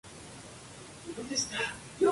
La capital es Mahdia.